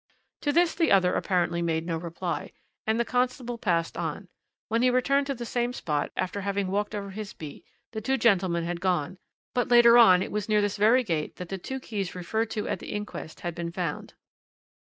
"To this the other apparently made no reply, and the constable passed on; when he returned to the same spot, after having walked over his beat, the two gentlemen had gone, but later on it was near this very gate that the two keys referred to at the inquest had been found.